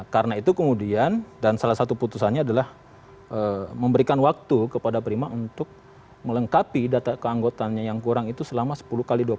karena itu kemudian dan salah satu putusannya adalah memberikan waktu kepada prima untuk melengkapi data keanggotannya yang kurang itu selama sepuluh x dua puluh empat jam